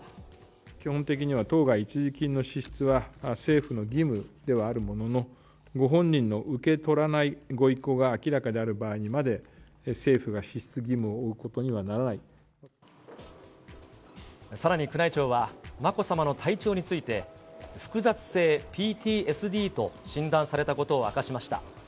基本的には当該一時金の支出は政府の義務ではあるものの、ご本人の受け取らないご意向が明らかである場合にまで政府が支出さらに宮内庁は、まこさまの体調について、複雑性ＰＴＳＤと診断されたことを明かしました。